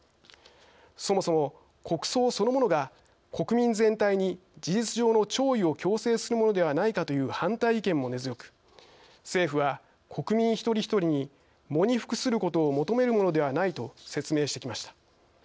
そもそも、国葬そのものが国民全体に事実上の弔意を強制するものではないかという反対意見も根強く政府は国民一人一人に喪に服することを求めるものではないと説明してきました。